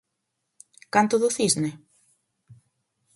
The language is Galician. Canto do cisne?